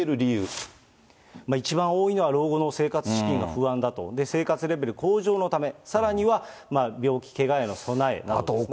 一番多いのは、老後の生活資金が不安だと、生活レベル向上のため、さらには病気・けがへの備えなどですね。